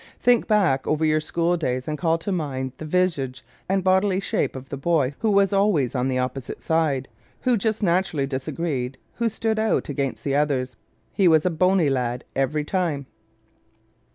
Think back over your school days and call to mind the visage and bodily shape of the boy who was always on the opposite side, who just naturally disagreed, who "stood out" against the others. He was a bony lad every time.